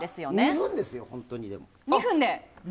２分ですよ、本当に。